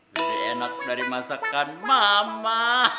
lebih enak dari masakan mama